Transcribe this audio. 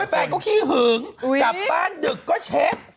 แฟนก็ขี้หึงกลับบ้านดึกก็เช็ค